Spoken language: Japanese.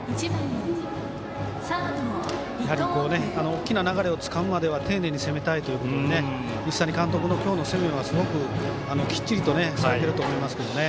大きな流れをつかむまでは丁寧に攻めたいということを西谷監督の今日の攻めは、すごくきっちりとされていると思います。